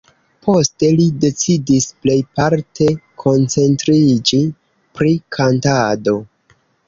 Poste li decidis plejparte koncentriĝi pri kantado.